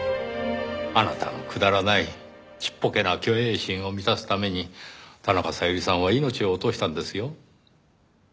あなたのくだらないちっぽけな虚栄心を満たすために田中小百合さんは命を落としたんですよ。